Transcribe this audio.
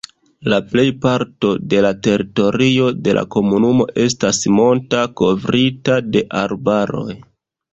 La plejparto de la teritorio de la komunumo estas monta, kovrita de arbaroj.